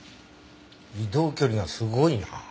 移動距離がすごいな。